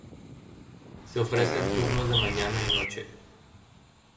Se ofrece en turnos de mañana y noche.